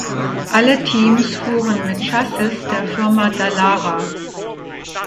Alle Teams fuhren mit Chassis der Firma Dallara.